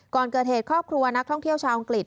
ก่อนเกิดเหตุครอบครัวนักท่องเที่ยวชาวอังกฤษ